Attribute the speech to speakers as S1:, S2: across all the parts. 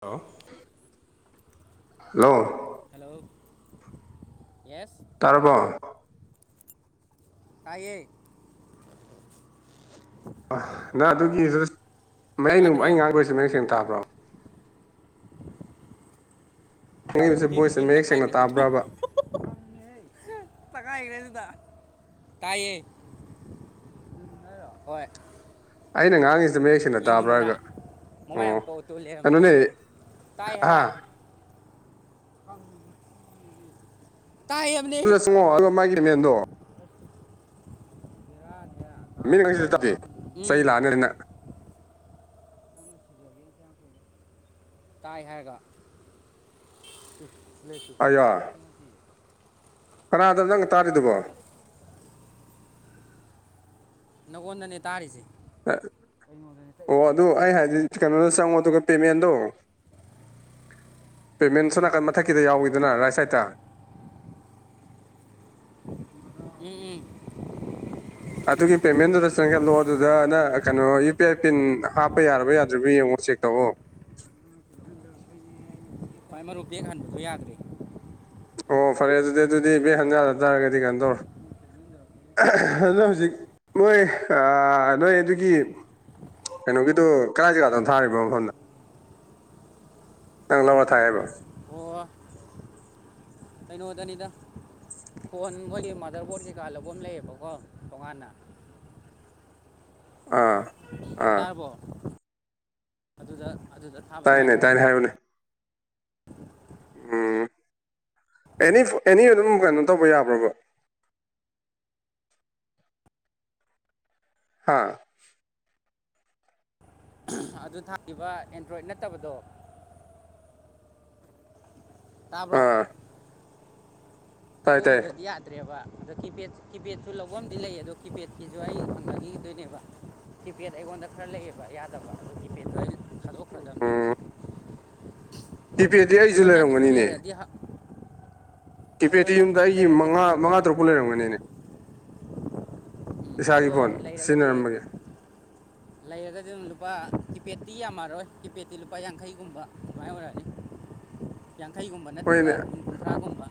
S1: Hello hello
S2: hello yes
S1: ꯇꯔꯥꯔꯕꯣ
S2: ꯇꯥꯏꯦ
S1: ꯑ ꯅ ꯑꯗꯨꯒꯤꯁꯨ ꯃꯌꯥꯏ ꯅꯨꯡ ꯑꯩ
S2: ꯇꯥꯗ꯭ꯔꯣ
S1: ꯉꯥꯡꯈꯣꯏꯁꯤ ꯅꯡ ꯁꯦꯡꯅ ꯇꯥꯕ꯭ꯔꯣ ꯍꯪꯉꯤꯕꯁꯦ
S2: ꯂꯤꯟ
S1: ꯕꯣꯏꯁꯁꯦ
S2: ꯂꯤꯟ
S1: ꯃꯌꯦꯛ ꯁꯦꯡꯅ
S2: ꯇꯛꯈꯥꯏꯈ꯭ꯔꯦ ꯍꯨꯏꯊꯨ
S1: ꯇꯥꯕ꯭ꯔꯕ
S2: ꯑ ꯀꯥꯏ ꯅꯨꯗ ꯀꯥꯏꯌꯦ ꯍꯣꯏ
S1: ꯑꯩꯅ ꯉꯥꯡꯉꯤꯁꯤꯗꯦ ꯃꯌꯦꯛ ꯁꯦꯡꯅ
S2: ꯌꯦꯡꯅꯤꯡꯕ꯭ꯔꯥ
S1: ꯇꯥꯕ꯭ꯔꯥꯒ
S2: ꯃꯃꯥꯏ
S1: ꯑꯣ
S2: ꯑꯃꯨꯛ ꯀꯧꯇꯨ ꯂꯩꯔꯝꯃꯦ
S1: ꯀꯩꯅꯣꯅꯦ
S2: ꯇꯥꯏ ꯍꯕ
S1: ꯑꯥ
S2: ꯑꯪ
S1: ꯑꯗꯨꯗ ꯆꯪꯉꯣ ꯑꯗꯨꯒ ꯃꯥꯒꯤ ꯃꯦꯟꯗꯣ ꯃꯤꯅ ꯉꯁꯤꯗ ꯇꯞꯄꯤ ꯆꯩ
S2: ꯎꯝ
S1: ꯂꯥꯛꯅꯅꯤꯅ
S2: ꯇꯥꯏ ꯍꯥꯏꯔꯒ
S1: ꯑꯌꯥ ꯀꯅꯥꯗꯅꯣ ꯅꯪ ꯇꯥꯔꯤꯗꯨꯕꯣ
S2: ꯅꯉꯣꯟꯗꯅꯦ ꯇꯥꯔꯤꯁꯦ ꯑꯩꯉꯣꯟꯗꯅꯦ
S1: ꯑꯣ
S2: ꯇꯛꯏꯁꯦ
S1: ꯑꯗꯨ ꯑꯩ
S2: ꯃꯕꯨꯛꯇꯅꯦ
S1: ꯍꯥꯏꯗꯤ ꯀꯩꯅꯣꯗ ꯆꯪꯉꯣ ꯑꯗꯨꯒ ꯄꯦꯃꯦꯟꯗꯣ ꯄꯦꯃꯦꯜ ꯁꯣꯝ
S2: ꯎꯝ
S1: ꯅꯥꯀꯟ ꯃꯊꯛꯀꯤꯗ ꯌꯥꯎꯋꯤꯗꯅ ꯔꯥꯏꯠ ꯁꯥꯏꯗꯠꯇ
S2: ꯎꯝ ꯎꯝ
S1: ꯑꯗꯨꯒꯤ ꯄꯦꯃꯦꯜꯗꯨꯗ ꯆꯪꯁꯤꯜꯂꯣ ꯑꯗꯨꯗ ꯅꯪ ꯀꯩꯅꯣ ꯌꯨ ꯄꯤ ꯑꯥꯏ ꯄꯤꯟ ꯍꯥꯞꯄ ꯌꯥꯔꯕ ꯌꯥꯗ꯭ꯔꯤꯕ ꯌꯦꯡꯉꯣ ꯆꯦꯛ ꯇꯧꯑꯣ
S2: ꯈꯋꯥꯏ ꯃꯔꯨ ꯕꯦꯛ ꯍꯟꯕꯗꯣ ꯌꯥꯗ꯭ꯔꯦ
S1: ꯑꯣ ꯐꯔꯦ ꯑꯗꯨꯗꯤ ꯑꯗꯨꯗꯤ ꯕꯦꯛ ꯍꯟꯕ ꯌꯥꯗꯔꯒꯗꯤ ꯀꯩꯅꯣ ꯇꯧꯔꯣ ꯑꯗꯣ ꯍꯧꯖꯤꯛ ꯅꯣꯏ ꯅꯣꯏ ꯑꯗꯨꯒꯤ ꯀꯩꯅꯣꯒꯤꯗꯨ ꯀꯥꯏ ꯖꯒꯥꯗꯅꯣ ꯊꯥꯔꯤꯅꯣ ꯃꯐꯝꯅ ꯆꯥꯡꯂꯕ ꯊꯥꯏꯕ
S2: ꯑꯣ ꯀꯩꯅꯣꯗꯅꯤꯗ ꯐꯣꯟ ꯃꯣꯏꯗꯤ ꯃꯥꯗꯔꯕꯣꯔꯠ ꯀꯩꯀꯥ ꯂꯧꯕꯝ ꯂꯩꯌꯦꯕꯀꯣ ꯇꯣꯉꯥꯟꯅ
S1: ꯑꯥ ꯑꯥ
S2: ꯇꯥꯔꯕꯣ ꯑꯗꯨꯗ ꯑꯗꯨꯗ ꯊꯥꯕꯩ
S1: ꯇꯥꯏꯅꯦ
S2: ꯋꯥꯅꯤꯗ
S1: ꯇꯥꯏꯅꯦ ꯍꯥꯏꯌꯨꯅꯦ ꯎꯝ ꯑꯦꯅꯤ ꯑꯦꯅꯤ ꯑꯗꯨꯝ ꯀꯩꯅꯣ ꯇꯧꯕ ꯌꯥꯕ꯭ꯔꯕ ꯍꯥꯥ
S2: ꯑꯗꯨ ꯊꯥꯈꯤꯕ ꯑꯦꯟꯗ꯭ꯔꯣꯏꯗ ꯅꯠꯇꯕꯗꯣ ꯇꯥꯕꯔꯣ
S1: ꯑꯥ ꯇꯥꯏ ꯇꯥꯏ
S2: ꯑꯗꯨꯒꯨꯝꯕꯗꯗꯤ ꯌꯥꯗ꯭ꯔꯦꯕ ꯑꯗꯣ ꯀꯤꯄꯦꯗ ꯀꯤꯄꯦꯗꯁꯨ ꯂꯧꯕꯝꯗꯤ ꯂꯩ ꯑꯗꯣ ꯀꯤꯄꯦꯗꯀꯤꯁꯨ ꯑꯩ ꯍꯡꯅꯈꯤꯗꯣꯏꯅꯦꯕ ꯀꯤꯄꯦꯗ ꯑꯩꯉꯣꯟꯗ ꯈꯔ ꯂꯩꯑꯦꯕ ꯌꯥꯗꯕ ꯑꯗꯣ ꯀꯤꯄꯦꯗꯇꯣ ꯊꯥꯗꯣꯛꯈ꯭ꯔꯗꯕꯅꯦꯕ
S1: ꯀꯤꯄꯦꯠꯇꯤ
S2: ꯑꯗꯣ
S1: ꯑꯩꯁꯨ
S2: ꯅꯪꯒꯤꯁꯨ
S1: ꯂꯩꯔꯝꯒꯅꯤꯅꯦ
S2: ꯂꯩꯔꯗꯤ ꯍ- ꯑꯗꯣ
S1: ꯀꯤꯄꯦꯠꯇꯤ ꯌꯨꯝꯗ
S2: ꯅꯪꯒꯤꯁꯨ
S1: ꯑꯩꯒꯤ
S2: ꯂꯩꯔꯗꯤ
S1: ꯃꯉꯥ ꯃꯉꯥ
S2: ꯍꯪꯅꯔꯛꯑꯣ
S1: ꯇꯔꯨꯛꯄꯨ ꯂꯩꯔꯝꯒꯅꯤꯅꯦ
S2: ꯎꯝ ꯑꯗꯣ
S1: ꯏꯁꯥꯒꯤ ꯐꯣꯟ
S2: ꯂꯩꯔꯒꯗꯤ
S1: ꯁꯤꯖꯤꯟꯅꯔꯝꯕꯒꯤ
S2: ꯂꯩꯔꯒꯗꯤ ꯂꯨꯄꯥ ꯀꯤꯄꯦꯠꯇꯤ ꯌꯥꯝ ꯍꯥꯏꯔꯛꯑꯣꯏ ꯀꯤꯄꯦꯠꯇꯤ ꯂꯨꯄꯥ ꯌꯥꯡꯈꯩꯒꯨꯝꯕ ꯑꯗꯨꯃꯥꯏꯅ ꯑꯣꯏꯔꯛꯑꯅꯤ ꯌꯥꯡꯈꯩꯒꯨꯝꯕ ꯅꯠꯇ꯭ꯔꯒ
S1: ꯍꯣꯏꯅꯦ
S2: ꯀꯨꯟ ꯀꯨꯟꯊ꯭ꯔꯥꯒꯨꯝꯕ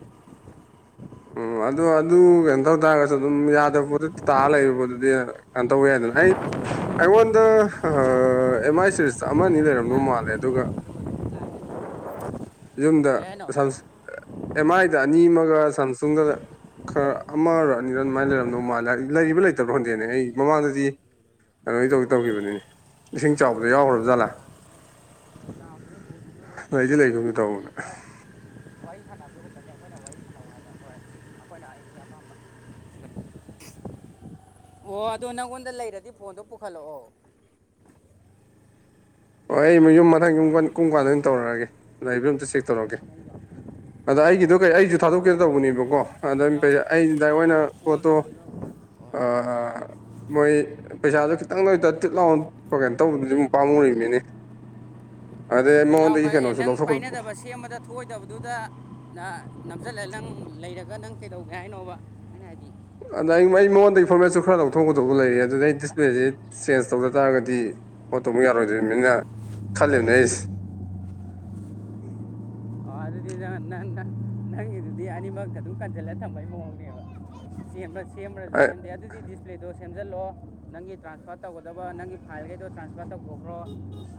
S1: ꯎꯝ ꯑꯣ ꯑꯗꯣ ꯑꯗꯨ ꯀꯩꯅꯣ ꯇꯧ ꯇꯥꯔꯒꯁꯨ ꯑꯗꯨꯝ ꯌꯥꯗꯕ ꯄꯣꯠꯇꯤ ꯇꯥꯔꯒ ꯂꯩꯕ ꯄꯣꯠꯇꯨꯗꯤ ꯀꯩꯅꯣ ꯇꯧ ꯌꯥꯏꯗꯅ ꯍꯥꯏꯗꯤ ꯑꯩꯉꯣꯟꯗ ꯑꯦꯝ ꯑꯥꯏ ꯁꯦꯔꯤꯁ
S2: ꯋꯥꯔꯤ
S1: ꯑꯃ ꯑꯅꯤ
S2: ꯁꯥꯟꯅꯔꯦꯗꯅ
S1: ꯂꯩꯔꯝꯗꯧ ꯃꯥꯜꯂꯦ ꯑꯗꯨꯒ ꯌꯨꯝꯗ
S2: ꯀꯩ ꯍꯥꯏꯅꯣ
S1: ꯑꯦꯝ ꯑꯥꯏꯗ ꯑꯅꯤ ꯑꯃꯒ ꯁꯥꯝꯁꯨꯡꯗ ꯈꯔ ꯑꯃꯔ ꯑꯅꯤꯔ ꯑꯗꯨꯃꯥꯏꯅ ꯂꯩꯔꯝꯗꯧ ꯃꯥꯜꯂꯦ ꯂꯩꯔꯤꯕ ꯂꯩꯇꯕ꯭ꯔ ꯈꯡꯗꯦꯅꯦ ꯑꯩ ꯃꯃꯥꯡꯗꯗꯤ ꯀꯩꯅꯣ ꯇꯧꯗꯤ ꯇꯧꯈꯤꯕꯅꯤꯅꯦ ꯏꯁꯤꯡ ꯆꯥꯎꯕꯗ ꯌꯥꯎꯈ꯭ꯔꯕ ꯖꯥꯠꯂ ꯂꯩꯗꯤ ꯂꯩꯒꯨꯝ ꯇꯧꯕꯅꯦ
S2: ꯋꯥꯔꯤ ꯁꯥꯟꯅꯕꯗꯨ ꯈꯛꯇꯅꯦ ꯑꯩꯈꯣꯏꯅ ꯋꯥꯔꯤ ꯁꯥꯟꯅꯧ ꯍꯥꯏꯕ ꯍꯣꯏ ꯑꯩꯈꯣꯏꯅ ꯑꯩꯒꯤ ꯑꯄꯥꯝꯕ ꯑꯣ ꯑꯗꯣ ꯅꯪꯉꯣꯟꯗ ꯂꯩꯔꯗꯤ ꯐꯣꯟꯗꯣ ꯄꯨꯈꯠꯂꯛꯑꯣ
S1: ꯍꯣꯏ ꯑꯩ ꯌꯨꯝ ꯃꯊꯪ ꯌꯨꯝ ꯀꯨꯝ ꯀꯥꯟꯗ ꯑꯣꯏꯅ ꯇꯧꯔꯛꯑꯒꯦ ꯑꯗꯨ ꯑꯝꯇ ꯆꯦꯛ ꯇꯧꯔꯛꯀꯦ ꯑꯗ
S2: ꯎꯝ
S1: ꯑꯩꯒꯤꯗꯣ ꯀꯩ ꯑꯩꯁꯨ ꯊꯥꯗꯣꯛꯀꯦꯗ ꯇꯧꯕꯅꯦꯕꯀꯣ ꯑꯗ
S2: ꯌꯥꯎꯔꯤ
S1: ꯑꯩ ꯗꯥꯏꯔꯦꯛ ꯑꯣꯏꯅ
S2: ꯀꯣꯜ
S1: ꯄꯣꯠꯇꯣ
S2: ꯇꯧꯕ ꯍꯣꯏ
S1: ꯃꯣꯏ ꯄꯩꯁꯥꯗꯣ ꯈꯤꯇꯪ ꯂꯣꯏ ꯇꯤꯠ ꯂꯥꯎꯅ ꯀꯩꯅꯣ ꯇꯧꯕꯗꯨ ꯑꯃꯛ ꯄꯥꯝꯃꯨꯔꯤꯕꯅꯤꯅꯦ ꯑꯗꯩ ꯑꯩ
S2: ꯇꯤꯠ
S1: ꯃꯉꯣꯟꯗꯒꯤ
S2: ꯂꯥꯎꯕꯒꯥꯢꯌꯦ
S1: ꯀꯩꯅꯣꯁꯨ
S2: ꯅꯪ
S1: ꯂꯧꯊꯣꯛ
S2: ꯄꯥꯏꯅꯗꯕ ꯁꯦꯝꯕꯗ ꯊꯣꯛꯑꯣꯏꯗꯕꯗꯨꯗ ꯅꯝꯁꯤꯜꯂꯒ ꯅꯪ ꯂꯩꯔꯒ ꯅꯪ ꯀꯩꯗꯧꯒꯦ ꯍꯥꯏꯅꯣꯕ ꯑꯩꯅ ꯍꯥꯏꯗꯤ
S1: ꯑꯗꯨꯗ ꯑꯩ ꯑꯩ ꯃꯉꯣꯟꯗꯒꯤ ꯐꯣꯔꯃꯦꯠꯁꯨ ꯈꯔ ꯂꯧꯊꯣꯛꯀꯗꯕ ꯂꯩ ꯑꯗꯨꯗ ꯑꯩ ꯗꯤꯁꯄ꯭ꯂꯦꯁꯤ ꯆꯦꯟꯖ ꯇꯧꯗ ꯇꯥꯔꯒꯗꯤ ꯄꯣꯠꯇꯣ ꯑꯃꯨꯛ ꯌꯥꯔꯣꯏꯗꯣꯏꯅꯤꯅ ꯈꯜꯂꯤꯅꯦ ꯑꯩꯁꯦ [unintelligible]
S2: ꯅ ꯅ ꯅꯪꯒꯤꯗꯨꯗꯤ ꯑꯅꯤꯃꯛꯇ ꯑꯗꯨꯝ ꯀꯟꯁꯤꯜꯂ ꯊꯝꯕꯩ ꯃꯑꯣꯡꯅꯦꯕ ꯁꯦꯝꯕꯁꯦ ꯁꯦꯝꯕꯔꯁꯨ ꯁꯦꯝꯗꯦ ꯑꯗꯨꯗꯤ ꯗꯤꯁꯄ꯭ꯂꯦ ꯗꯣ ꯁꯦꯝꯖꯤꯜꯂꯣ ꯅꯪꯒꯤ ꯇ꯭ꯔꯥꯟꯁꯐꯔ ꯇꯧꯒꯗꯕ ꯅꯪꯒꯤ ꯐꯥꯏꯜꯈꯩꯗꯣ ꯇ꯭ꯔꯥꯟꯁꯐꯔ ꯇꯧꯊꯣꯛꯈ꯭ꯔꯣ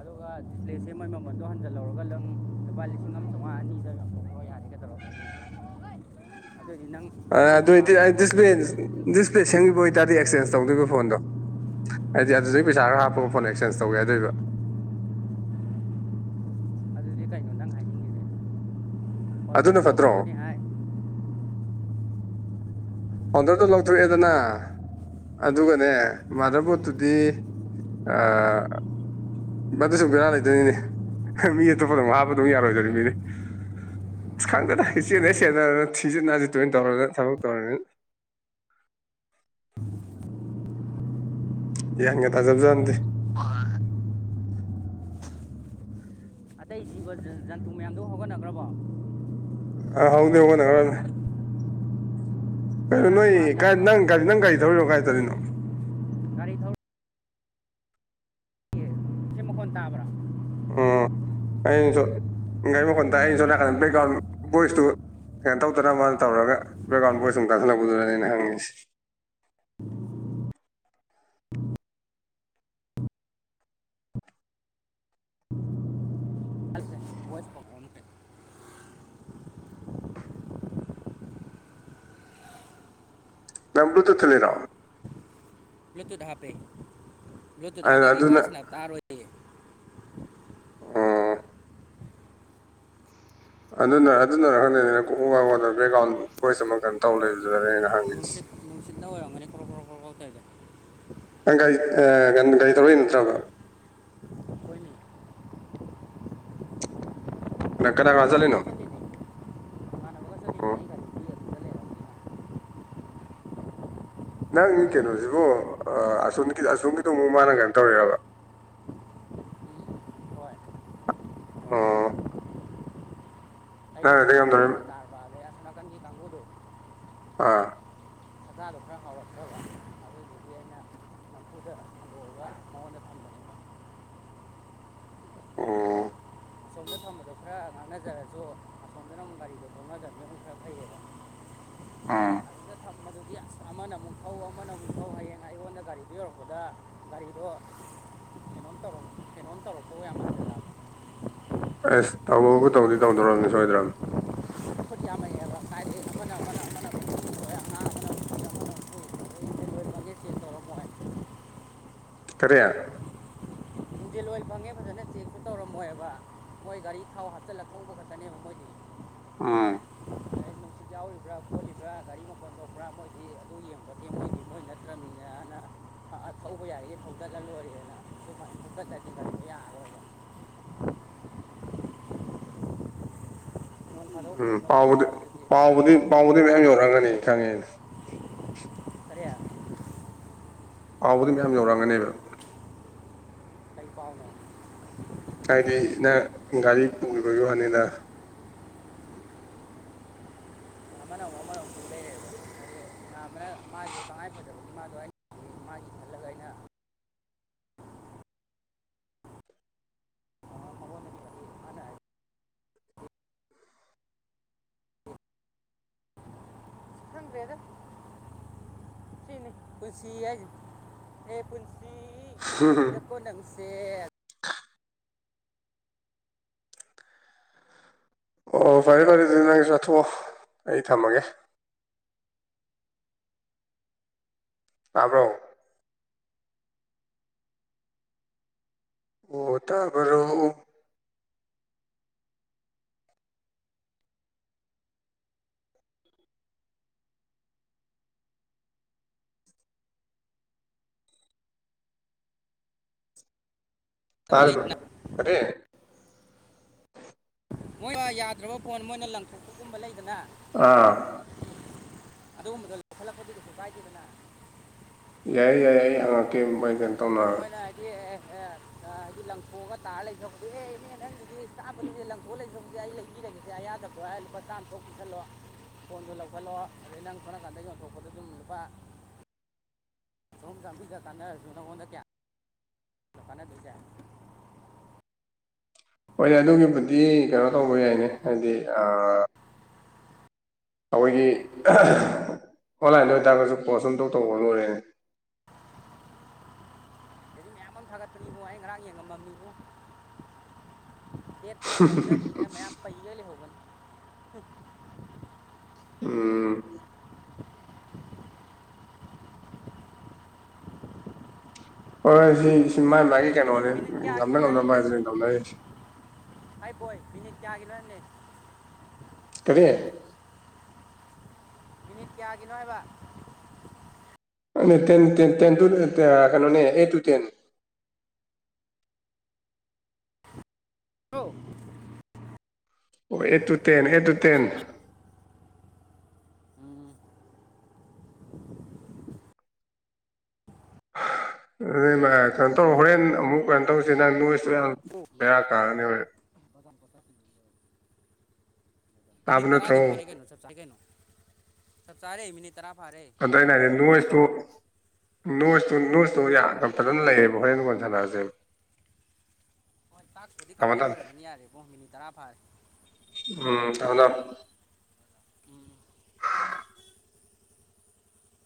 S2: ꯑꯗꯨꯒ ꯄ꯭ꯂꯦꯠꯁꯦ ꯃꯣꯏ ꯃꯃꯜꯗꯣ ꯍꯟꯖꯜꯍꯧꯔꯒ ꯂꯪ ꯂꯨꯄꯥ ꯂꯤꯁꯤꯡ ꯑꯃ ꯆꯥꯝꯃꯉꯥ ꯑꯅꯤꯗ ꯌꯣꯟꯊꯣꯛꯈ꯭ꯔꯣ ꯌꯥꯔꯦꯒꯗ꯭ꯔꯣ ꯑꯗꯨꯗꯤ ꯅꯪ
S1: ꯑ
S2: ꯃꯥꯡꯁꯨ
S1: ꯑꯗꯨꯑꯣꯏꯗꯤ
S2: ꯃꯥꯡꯉꯔꯣꯏ
S1: ꯗꯤꯁꯄ꯭ꯂꯦ ꯗꯤꯁꯄ꯭ꯂꯦ ꯁꯦꯝꯈꯤꯕ ꯑꯣꯏꯇꯥꯔꯗꯤ ꯑꯦꯛꯁꯆꯦꯟꯖ ꯇꯧꯗꯣꯏꯕ ꯐꯣꯟꯗꯣ ꯍꯥꯏꯗꯤ ꯑꯗꯨꯗꯩ ꯄꯩꯁꯥ ꯈꯔ ꯍꯥꯞꯄꯒ ꯐꯣꯟ ꯑꯦꯛꯁꯆꯦꯟꯖ ꯇꯧꯒꯦ ꯌꯥꯗꯣꯏꯕ [inaudible]
S2: ꯇꯥꯏꯅ ꯍꯥꯏ
S1: ꯑꯗꯨꯅ
S2: ꯁꯨ
S1: ꯐꯠꯇ꯭ꯔꯣ
S2: ꯂꯧꯨ ꯀꯅꯤ ꯍꯥꯏ
S1: ꯑꯣꯟꯗꯔꯗꯣ ꯂꯧꯊꯣꯛꯑꯦꯗꯅ ꯑꯗꯨꯒꯅꯦ ꯃꯥꯗꯔꯕꯣꯠꯇꯨꯗꯤ ꯗꯨ ꯁꯨꯝ ꯦꯔꯥ ꯂꯩꯗꯣꯏꯅꯤꯅꯦ ꯃꯤ ꯑꯇꯣꯞꯄꯗꯧ ꯍꯥꯞꯄꯗꯧ ꯌꯥꯔꯣꯏꯗꯣꯏꯅꯤ ꯃꯤꯅꯦ ꯑꯁ ꯈꯪꯗꯗ ꯏꯆꯦꯟꯅ ꯆꯦꯠꯟꯅ ꯁꯤꯖꯤꯠ ꯅꯥꯁꯤ ꯇꯣꯏꯅ ꯇꯧꯔꯅꯤꯅ ꯊꯕꯛ ꯇꯧꯔꯅꯤꯅ [inaudible] ꯌꯦꯒꯦ ꯇꯖꯕꯖꯗꯤ
S2: ꯑꯩꯕ ꯖꯟꯇꯨ ꯃꯌꯥꯝꯗꯣ ꯍꯧꯒꯠꯅꯈ꯭ꯔꯕꯣ
S1: ꯑ ꯍꯥꯎꯗꯤ ꯍꯅꯦ ꯑꯔ
S2: ꯅꯪ
S1: ꯀꯩꯅꯣ
S2: ꯉꯔꯥꯡ
S1: ꯅꯣꯏ
S2: ꯀ꯭ꯂꯥꯁ ꯌꯥꯎꯕ꯭ꯔꯥ
S1: ꯅꯪꯒꯥꯔꯤ ꯅꯪ ꯒꯥꯔꯤ ꯊꯧꯔꯤꯅꯣ ꯀꯥꯏ ꯇꯧꯔꯤꯅꯣ
S2: ꯒꯥꯔꯤ ꯊꯧ ꯛꯟ ꯇꯥꯕ꯭ꯔꯥ
S1: ꯎꯝ ꯑꯩꯅꯁꯨꯒꯥꯔꯤ ꯃꯈꯣꯟꯗ ꯑꯩꯅ ꯆꯠꯂꯛꯀꯥꯟ ꯕꯦꯛꯒ꯭ꯔꯥꯎꯟ ꯕꯣꯏꯁꯇꯨ ꯀꯩꯅꯣ ꯇꯧꯗꯅꯕ ꯃꯥꯅ ꯇꯧꯔꯒ ꯕꯦꯛꯒ꯭ꯔꯥꯎꯟ ꯕꯣꯔ ꯁꯨꯝ ꯇꯥꯟꯁꯤꯜꯂꯛꯄꯗꯨꯔꯅꯦꯅ ꯍꯪꯉꯤꯁꯤꯦ [inaudible]
S2: ꯚꯣꯏꯁ ꯄ꯭ꯔꯣꯕ꯭ꯂꯦꯝ
S1: ꯃ ꯃ꯭ꯔꯇ ꯊꯂꯔꯥꯎ
S2: ꯕ꯭ꯂꯨꯇꯨꯠ ꯍꯥꯞꯄꯦ ꯕ꯭ꯂꯨꯇꯨꯠ ꯍꯥꯞꯇꯗꯤ
S1: ꯑꯗꯨꯅ
S2: ꯋꯥꯔꯤꯁꯤꯅꯅꯥꯞ ꯇꯥꯔꯣꯏꯌꯦ
S1: ꯑꯣ ꯑꯗꯨꯅ ꯑꯗꯨꯅ ꯈꯪꯗꯅꯤꯅ ꯀꯣꯛ ꯋꯥꯕꯣꯟꯗ ꯕꯦꯛꯒ꯭ꯔꯥꯎꯟ ꯀꯣꯏꯁ ꯑꯃ ꯇꯧ ꯂꯩꯕꯗꯨꯥꯔꯩꯅ ꯍꯪꯉꯁꯤꯦ [inaudible]
S2: ꯍꯣꯏ ꯃꯅꯤ ꯀ꯭ꯔꯣ ꯀ꯭ꯔꯣ ꯀ꯭ꯔꯣ ꯀ ꯀꯦꯗ
S1: ꯑ ꯀꯩ ꯑ ꯀꯩ ꯇꯧꯂ ꯅꯠꯇ꯭ꯔꯕ ꯕꯦꯡꯀꯗ ꯔꯖꯅ ꯑꯣ ꯅꯪ ꯀꯩꯅꯣꯁꯤꯕꯨ ꯑꯁ ꯑꯁꯣꯝꯒꯤꯗꯨꯣ ꯑꯃꯨꯛ ꯃꯥꯅ ꯀꯩꯅꯣ ꯇꯧꯔꯔꯕ [inaudible] ꯑ
S2: ꯀ ꯄꯩꯁꯥꯗꯣꯐꯔ ꯇꯔꯔꯕꯦꯁꯅꯥꯀꯟꯒꯤ ꯀꯥꯡꯕꯨꯗꯣ
S1: ꯑꯥ
S2: ꯑꯆꯥꯗꯣ ꯈꯔ ꯍꯥꯎꯔꯛꯇꯕ ꯑꯗꯨꯗꯨꯗꯤ ꯑꯩꯅ ꯅ ꯐꯨꯊꯕ
S1: ꯑ
S2: ꯑꯁꯣꯝꯗ ꯊꯝꯕꯗꯣ ꯈꯔ ꯉꯥꯡꯅꯖꯔꯁꯨ ꯑꯁꯣꯝꯗꯅ ꯑꯃꯨꯛ ꯒꯥꯔꯤꯗꯣ ꯊꯧꯅꯖꯕꯗ ꯑꯗꯨꯝꯛ ꯈꯔ ꯐꯩꯌꯦꯕ
S1: ꯑꯥ
S2: ꯃꯗꯨꯒꯤ ꯑꯁ ꯑꯃꯅ ꯑꯃꯨꯛ ꯐꯧ ꯑꯃꯅ ꯑꯃꯨꯛ ꯐꯧ ꯍꯌꯦꯡ ꯑꯩꯉꯣꯟꯗ ꯒꯥꯔꯤꯗꯨꯣ ꯌꯧꯔꯛꯄꯗ ꯒꯥꯔꯤꯗꯣ ꯍꯩꯅꯣꯣꯟ ꯇꯧꯔꯣ ꯍꯦꯩꯅꯣꯣꯟ ꯇꯧꯔꯛꯄ ꯌꯥꯝ
S1: ꯑꯁ ꯇꯧꯕꯕꯨ ꯇꯧꯗꯤ ꯇꯧꯗꯣꯔꯑꯅꯤ ꯁꯣꯏꯗ꯭ꯔꯅꯤ
S2: ꯄ ꯌꯥꯃꯦꯕ ꯑꯃꯅ ꯑꯃꯨꯛ ꯊꯧꯔꯤ, ꯑꯃꯅ ꯑꯃꯨꯛ ꯊꯧꯔꯤ. ꯑꯗꯩ ꯏꯟꯖꯤꯟ ꯑꯣꯏꯜ ꯐꯪꯉꯦ ꯆꯦꯛ ꯇꯧꯔꯝꯃꯣꯏ
S1: ꯇꯔꯦ
S2: ꯅꯨꯡꯖꯦꯜ ꯑꯣꯏꯅ ꯐꯪꯉꯦ ꯐꯖꯅ ꯆꯦꯛꯛꯇꯨ ꯇꯧꯔꯝꯃꯣꯏꯕ ꯃꯣꯏ ꯒꯥꯔꯤ ꯊꯥꯎ ꯍꯥꯞꯆꯤꯜꯂꯛ ꯈꯣꯡ ꯄꯨꯈꯠꯆꯅꯦꯕ ꯃꯣꯏꯗꯤ
S1: ꯑꯥ
S2: ꯑꯗꯩ ꯅꯨꯡꯁꯤꯠ ꯌꯥꯎꯔꯤꯕ꯭ꯔꯥ ꯈꯣꯠꯂꯤꯕ꯭ꯔꯥ ꯒꯥꯔꯤ ꯃꯄꯜ ꯇꯧꯄ꯭ꯔꯥ ꯃꯣꯏꯗꯤ ꯑꯗꯨ ꯌꯦꯡꯕꯗꯦ ꯃꯣꯏꯗꯤ ꯃꯣꯏ ꯍꯧꯒꯠꯂꯜꯂꯣꯏꯨꯔꯦꯅ ꯁꯨꯃꯥꯏꯀꯠ ꯆꯠꯅꯤꯡꯕ ꯌꯥ ꯅꯣꯡ ꯐꯥꯗꯣꯛ ꯄꯨꯕꯅ ꯄꯨꯅꯤ
S1: ꯎꯝꯥꯎꯗꯤ
S2: ꯃꯣꯏꯗꯗꯤ ꯈꯔ
S1: ꯄꯥꯎꯗꯤ ꯄꯥꯎꯕꯨꯗꯤ ꯃꯌꯥꯝ ꯌꯧꯔꯛꯝꯒꯅꯤ ꯈꯪꯉꯦꯅꯦ
S2: ꯀꯔꯤ
S1: ꯄꯥꯎꯕꯗꯤ ꯃꯌꯥꯝ ꯌꯧꯔꯝꯒꯅꯦꯕ
S2: ꯑꯩ ꯄꯥꯎꯉ
S1: ꯍꯥꯏꯗꯤ ꯅꯪ ꯒꯥꯔꯤ ꯄꯨꯈꯤꯕꯒꯤ ꯋꯥꯅꯤꯗ
S2: ꯃꯥꯃꯅ ꯋꯥꯃ ꯃꯨꯝꯅꯦ ꯅ ꯃꯥꯏꯖꯨ ꯇꯉꯥꯏ ꯐꯗꯕꯒꯤ ꯃꯥꯗꯣ ꯑꯩꯅ ꯃꯥꯒꯤ ꯈꯜꯂꯒ ꯑꯩꯅ ꯃꯉꯣꯟꯗ ꯄꯤꯕꯒꯤ ꯃꯥꯅ ꯈꯪꯗ꯭ꯔꯦꯗ ꯁꯤꯅꯤ ꯄꯨꯟꯁꯤ ꯍꯥꯏꯖꯦ ꯍꯦ ꯄꯨꯟꯁꯤ ꯉꯛꯏꯗꯀꯣ ꯅꯪꯁꯤ
S1: ꯑꯣ ꯐꯔꯦ ꯐꯔꯦ ꯑꯗꯨꯗꯤ ꯅꯪꯖꯨ ꯆꯠꯊꯣꯛꯑꯣ ꯑꯩ ꯊꯝꯃꯒꯦ ꯇꯥꯕ꯭ꯔꯣ ꯑꯣ ꯇꯥꯕꯔꯣ
S2: ꯐꯖꯕ
S1: ꯇꯥꯔꯤꯕ
S2: ꯂꯩꯗꯅ
S1: ꯀꯔꯤ
S2: ꯃꯣꯏꯅ ꯌꯥꯗ꯭ꯔꯕ ꯐꯣꯟ ꯃꯣꯏꯅ ꯂꯪꯊꯣꯛꯄꯒꯨꯝꯕ ꯂꯩꯗꯅ
S1: ꯑꯥ
S2: ꯑꯗꯨꯒꯨꯝꯕꯗ ꯂꯧꯈꯠꯂꯛꯄꯗꯨ ꯀꯩꯁꯨ ꯀꯥꯏꯗꯦꯗꯅ
S1: ꯌꯥꯏꯌꯦ ꯌꯥꯏꯌꯦ ꯑꯩ ꯍꯪꯉꯛꯀꯦ ꯃꯨꯛ ꯕꯥꯥꯏ ꯀꯩꯅꯣ
S2: ꯑꯗꯣ
S1: ꯇꯧꯅꯔ
S2: ꯃꯣꯏꯅ ꯍꯥꯏꯗꯤ ꯑꯦ ꯇꯥ ꯍꯥꯏꯗꯤ ꯂꯪꯊꯣꯛꯑꯒ ꯇꯥꯔ ꯂꯩꯊꯍꯧꯕꯁꯦ ꯑꯦ ꯏꯅꯦ ꯅꯪꯒꯤꯗꯤ ꯆꯥꯕꯅꯤꯁꯦ ꯂꯪꯊꯣꯛ ꯂꯩꯊꯍꯧꯕꯁꯦ ꯑꯩ ꯂꯩꯕꯤꯔꯒꯦꯁꯦ ꯑꯌꯥꯗꯕ ꯗꯣ ꯑꯩ ꯂꯨꯄꯥ ꯆꯥꯝ ꯊꯣꯛ ꯄꯤꯁꯜꯂꯣ ꯐꯣꯟꯗꯣ ꯂꯧꯈꯠꯂꯣ ꯑꯗꯩ ꯅꯪ ꯊꯣꯛꯅꯀꯥꯟꯗ ꯌꯣꯟꯊꯣꯛꯄꯗ ꯑꯗꯨꯝ ꯂꯨꯄꯥ ꯁꯣꯝ ꯆꯥꯟꯕꯤꯒ ꯇꯥꯟꯅꯔꯖꯨ ꯅꯪꯉꯣꯟꯗ ꯀꯌꯥ ꯂ ꯀꯥꯟꯅꯗꯣꯏꯖꯦ
S1: ꯕꯤ ꯀꯩꯅꯣ ꯇꯧꯕ ꯌꯥꯏꯅꯦ ꯍꯥꯏꯗꯤ ꯑꯥ ꯑꯈꯣꯏꯒꯤ ꯑꯣꯟꯂꯥꯏꯟꯗ ꯑꯣꯏꯇꯥꯔꯒꯁꯨ ꯄꯣꯁ ꯁꯨꯝ ꯇꯧ ꯇꯧꯕ ꯂꯣꯏꯔꯦꯅꯦ
S2: ꯃꯤ ꯃꯌꯥꯝ ꯑꯝ ꯊꯥꯒꯠꯄꯅꯤ ꯏꯕꯨꯡꯉꯣ ꯑꯩ ꯉꯔꯥꯡ ꯌꯦꯡꯉꯝꯃꯕꯅꯤ ꯏꯕꯨꯡꯉꯣ ꯍꯦꯠ ꯐꯣꯟ ꯂꯧꯖꯔꯤꯅ ꯃꯌꯥꯝ ꯄꯩꯒꯩ ꯂꯩꯍꯧꯕꯅꯤ
S1: ꯎꯝ
S2: [inaudible]
S1: ꯍꯣꯏ ꯁꯣꯝꯒꯤꯁ ꯁꯤ ꯃꯥꯏ ꯃꯥꯒꯤ
S2: ꯀꯩꯅꯣ ꯃꯤꯅꯤꯠ
S1: ꯀꯩꯅꯣꯅꯦ
S2: ꯃꯤꯅꯤꯠ
S1: ꯉꯝꯅ
S2: ꯀꯌꯥꯒꯤꯅꯣ
S1: ꯉꯝꯅ
S2: ꯅꯪꯒꯤꯁꯦ
S1: ꯍꯥꯏꯗꯨꯅꯦ ꯇꯧꯅꯔꯤꯁꯤ
S2: ꯀ꯭ꯌꯥꯒꯤꯅꯣ ꯍꯥꯏꯝꯅꯦ
S1: ꯀꯔꯤ
S2: ꯃꯤꯅꯤꯠ ꯀ꯭ꯌꯥꯒꯤꯅꯣ ꯍꯥꯏꯕ
S1: ꯑꯩꯒꯤ ꯇꯦꯟ ꯇꯦꯟ ꯇꯦꯟ ꯇꯨ ꯇꯥ ꯀꯩꯅꯣꯅꯦ ꯑꯦꯠ ꯇꯨ ꯇꯦꯟ
S2: ꯂꯣ
S1: ꯑꯣ eight two ten eight two ten ꯑꯗꯨ ꯃꯥ ꯀꯩꯅꯣ ꯇꯧꯔꯣ ꯍꯣꯔꯦꯟ ꯑꯃꯨꯛ ꯐꯖꯟ ꯇꯧꯔꯁꯦ ꯅꯪ ꯅꯣꯏꯁ ꯇꯣ ꯌꯥꯝ ꯕꯦꯔꯥ ꯀꯥꯔꯅꯤ ꯍꯣꯔꯦꯟ
S2: [unintelligible] ꯃꯤꯅꯤꯠ
S1: ꯇꯥꯕ ꯅꯠꯇ꯭ꯔꯣ
S2: ꯇꯔꯥꯗꯤ ꯐꯥꯔꯦ ꯀꯩꯅꯣ ꯆꯞ ꯆꯥꯔꯦ ꯀꯩꯅꯣ ꯆꯞ ꯆꯥꯔꯦ ꯃꯤꯅꯤꯠ ꯇꯔꯥ ꯐꯥꯔꯦ
S1: ꯑꯗꯣ ꯑꯩꯅ ꯍꯥꯏꯗꯤ ꯅꯣꯏꯁ ꯇꯨ ꯅꯣꯁꯇꯨ ꯅꯣꯁꯇꯨ ꯌꯥꯝ ꯐꯖꯅ ꯂꯩꯌꯦꯕ ꯍꯣꯔꯦꯟ ꯀꯣꯟꯅ ꯁꯥꯟꯅꯔꯁꯦꯕ
S2: ꯍꯣꯏ ꯇꯥꯛꯁꯄꯨꯗꯤ ꯀꯝꯄ꯭ꯂꯤꯠ ꯑꯣꯏꯔꯝꯃꯅꯤ ꯌꯥꯔꯦ ꯏꯕꯨꯡꯉꯣ ꯃꯤꯅꯤꯠ ꯇꯔꯥ ꯐꯥꯔꯦ
S1: ꯊꯝꯊꯝ
S2: ꯎꯝ ꯎꯝ